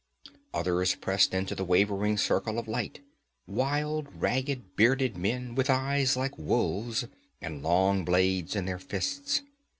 Others pressed into the wavering circle of light wild, ragged, bearded men, with eyes like wolves, and long blades in their fists.